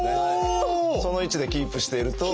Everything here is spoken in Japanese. その位置でキープしていると。